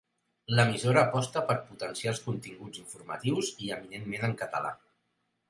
L'emissora aposta per potenciar els continguts informatius i eminentment en català.